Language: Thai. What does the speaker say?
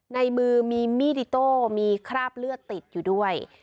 ในมือมีมีดอิโต้มีคราบเลือดติดอยู่ด้วย